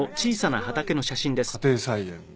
家庭菜園を。